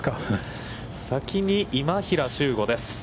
先に今平周吾です。